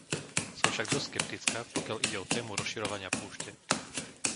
Som však dosť skeptická, pokiaľ ide o tému rozširovania púšte.